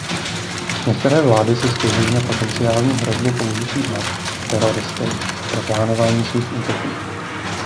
Některé vlády si stěžují na potenciální hrozbu použití map teroristy pro plánování svých útoků.